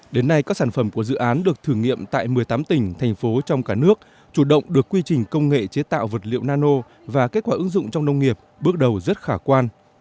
đến nay các sản phẩm của dự án được thử nghiệm tại một mươi tám tỉnh thành phố trong cả nước chủ động được quy trình công nghệ chế tạo vật liệu nano và kết quả ứng dụng trong nông nghiệp bước đầu rất khả quan